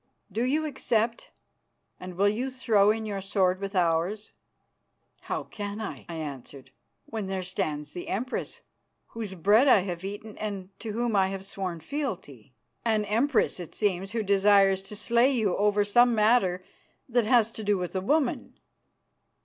Do you accept, and will you throw in your sword with ours?" "How can I," I answered, "when there stands the Empress, whose bread I have eaten and to whom I have sworn fealty?" "An Empress, it seems, who desires to slay you over some matter that has to do with a woman.